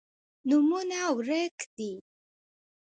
نومونه ورک دي